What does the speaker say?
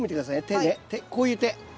手ねこういう手。